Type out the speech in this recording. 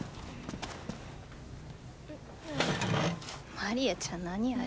マリアちゃん何あれ。